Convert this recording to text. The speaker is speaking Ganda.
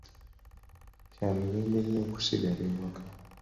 Kya mirembe nnyo okusigala awaka.